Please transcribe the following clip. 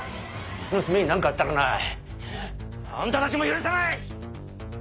娘に何かあったらなあんたたちも許さない！